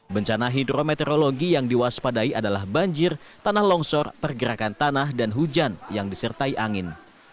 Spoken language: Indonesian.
bencana hidrometeorologi yang diwaspadai adalah banjir tanah longsor pergerakan tanah dan hujan yang disertai angin